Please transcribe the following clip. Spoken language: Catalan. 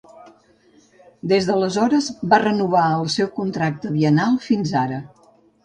Des d'aleshores va renovar el seu contracte biennal fins ara.